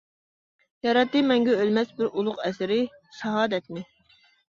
ياراتتى مەڭگۈ ئۆلمەس بىر ئۇلۇغ ئەسىرى سائادەتنى.